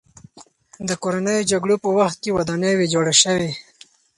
د کورنیو جګړو په وخت کې ودانۍ ویجاړه شوې.